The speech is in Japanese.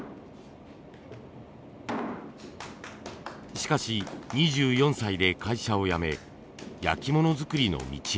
しかし２４歳で会社を辞め焼き物作りの道へ。